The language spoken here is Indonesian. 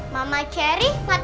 mama ceria mata matanya itu